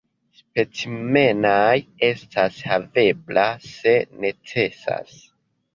Specimenaj estas havebla se necesas.